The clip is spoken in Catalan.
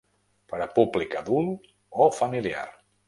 Per a públic adult o familiar.